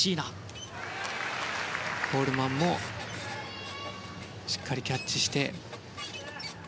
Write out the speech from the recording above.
コールマンもしっかりキャッチして。